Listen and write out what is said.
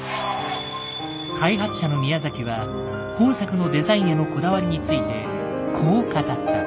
開発者の宮崎は本作のデザインへのこだわりについてこう語った。